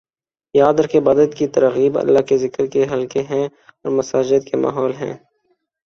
یاد رکھیں عبادت کی تراغیب اللہ کے ذکر کے حلقے ہیں اور مساجد کے ماحول ہیں